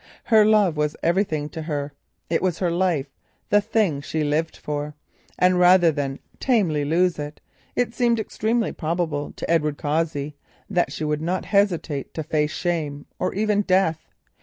Her love was everything to her, it was her life, the thing she lived for, and rather than tamely lose it, it seemed extremely probable to Edward Cossey that she would not hesitate to face shame, or even death.